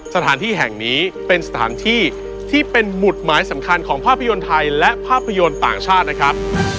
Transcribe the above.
สถานที่แห่งนี้เป็นสถานที่ที่เป็นหมุดหมายสำคัญของภาพยนตร์ไทยและภาพยนตร์ต่างชาตินะครับ